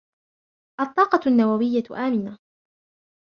الطاقة النووية آمنة.